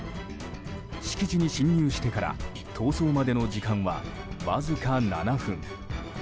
敷地に侵入してから逃走までの時間はわずか７分。